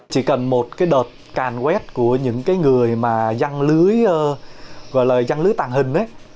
chỉ cần một cái đợt càn quét của những người răng lưới tàng hình